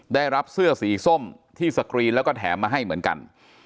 ได้รับเสื้อสีส้มที่สกรีนแล้วก็แถมมาให้เหมือนกัน